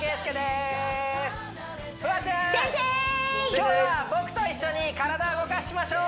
今日は僕と一緒に体を動かしましょう！